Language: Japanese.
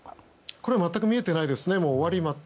これは全く見えてないです。